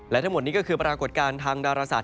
และทั้งหมดนี้ก็คือปรากฏการณ์ทางดาราศาส